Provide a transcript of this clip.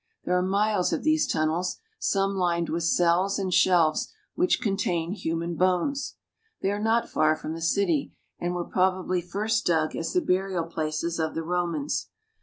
There are miles of these tunnels, some lined with cells and shelves which contain human bones. They are not far from the city, and were probably first dug as the burial places of the Romans.